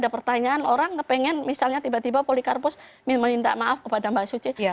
ada pertanyaan orang pengen misalnya tiba tiba polikarpus meminta maaf kepada mbak suci